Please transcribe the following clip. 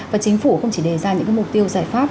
và chính phủ không chỉ đề ra những mục tiêu giải pháp